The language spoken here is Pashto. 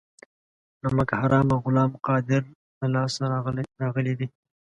نمک حرامه غلام قادر له لاسه راغلي دي.